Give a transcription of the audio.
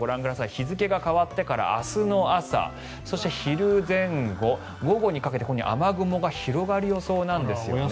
日付が変わってから明日の朝、そして昼前後午後にかけて雨雲が広がる予想なんですよね。